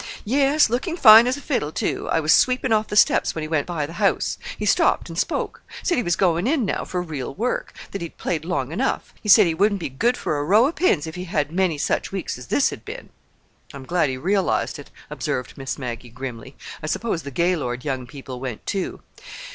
"Yes, looking fine as a fiddle, too. I was sweeping off the steps when he went by the house. He stopped and spoke. Said he was going in now for real work—that he'd played long enough. He said he wouldn't be good for a row of pins if he had many such weeks as this had been." "I'm glad he realized it," observed Miss Maggie grimly. "I suppose the Gaylord young people went, too."